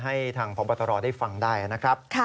ให้ทางพบตรได้ฟังได้นะครับ